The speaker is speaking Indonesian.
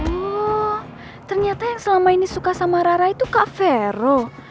hmm ternyata yang selama ini suka sama rara itu kak vero